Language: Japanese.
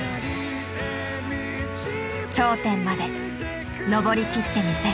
頂点まで登り切ってみせる。